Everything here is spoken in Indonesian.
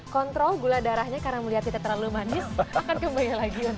kontrol gula darahnya karena melihatnya terlalu manis akan kembali lagi untuk anda di good morning